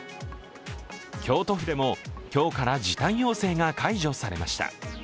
京都府でも今日から時短要請が解除されました。